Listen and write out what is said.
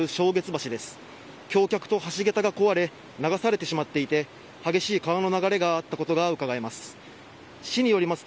橋脚と橋げたが壊れ流されてしまっていて激しい川の流れがあったことがうかがえます。